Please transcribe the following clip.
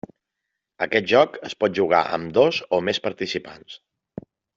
Aquest joc es pot jugar amb dos o més participants.